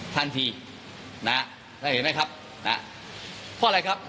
ทันทีนะฮะแล้วเห็นไหมครับนะฮะเพราะอะไรครับ